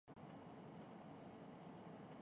موجودہ تناظر میں یہ بہت بڑی بات ہے۔